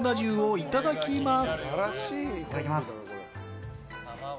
いただきます。